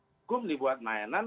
hukum dibuat mainan